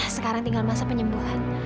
sekarang tinggal masa penyembuhan